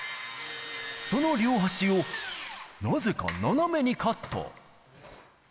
その両端をなぜか斜めにカット。